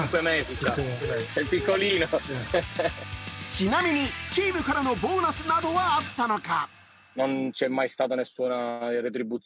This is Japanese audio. ちなみにチームからのボーナスなどはあったのか？